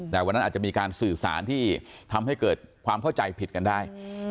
แต่วันนั้นอาจจะมีการสื่อสารที่ทำให้เกิดความเข้าใจผิดกันได้